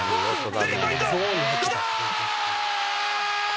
スリーポイント、きたー！